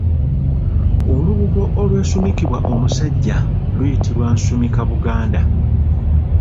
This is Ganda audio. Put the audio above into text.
Olubugo olwesumikibwa omusajja luyitibwa Nsumikabuganda.